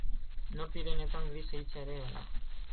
Nor direnetan grisa hitsa ere bada.